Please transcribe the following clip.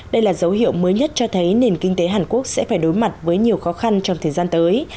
đây là dấu hiệu mới nhất cho thấy nền kinh tế hàn quốc sẽ phải đối mặt với nhiều khó khăn trong thời gian tới